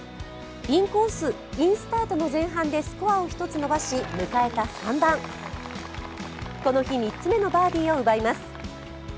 インスタートの前半でスコアを一つ伸ばし、迎えた３番この日、３つ目のバーディーを奪います。